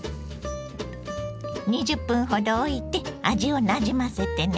２０分ほどおいて味をなじませてね。